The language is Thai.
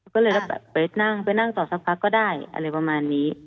ก็เลยก็แบบไปนั่งไปนั่งต่อสักพักก็ได้อะไรประมาณนี้